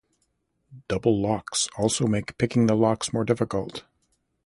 Double locks also make picking the locks more difficult.